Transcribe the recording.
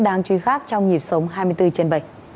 đang truy khác trong dịp sống hai mươi bốn trên bảy